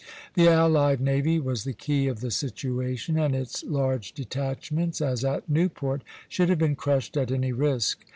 The allied navy was the key of the situation, and its large detachments, as at Newport, should have been crushed at any risk.